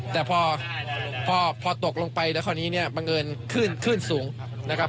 แต่พอพอตกลงไปแล้วคราวนี้เนี่ยบังเอิญขึ้นสูงนะครับ